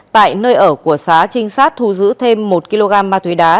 tại nơi ở của sá trinh sát thu giữ thêm một kg ma túy đá